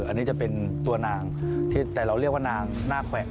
อันนี้จะเป็นตัวนางที่แต่เราเรียกว่านางหน้าแขวะ